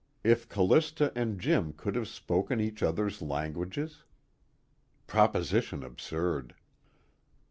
If Callista and Jim could have spoken each other's languages? _Proposition absurd.